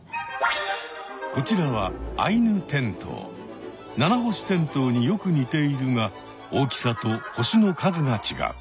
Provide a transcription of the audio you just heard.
こちらはナナホシテントウによく似ているが大きさと星の数が違う。